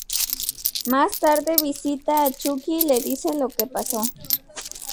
Más tarde visita a Chucky y le dice lo que pasó.